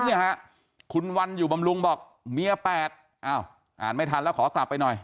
เนี่ยฮะคุณวันอยู่บำรุงบอกเมีย๘อ้าวอ่านไม่ทันแล้วขอกลับไปหน่อย